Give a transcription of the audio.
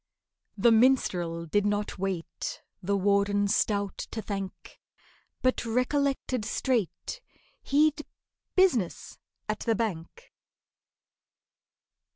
The minstrel did not wait The Warden stout to thank, But recollected straight He'd business at the Bank.